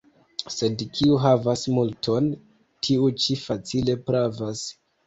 Sed kiu havas multon, tiu ĉi facile pravas.